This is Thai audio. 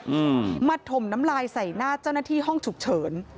อืมมาถมน้ำลายใส่หน้าเจ้าหน้าที่ห้องฉุกเฉิน